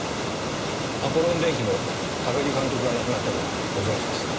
アポロン電機の高木監督が亡くなったのはご存じですか？